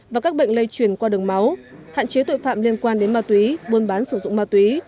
và các bệnh lây truyền qua đường máu hạn chế tội phạm liên quan đến ma túy buôn bán sử dụng ma túy